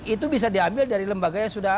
itu bisa diambil dari lembaga yang sudah ada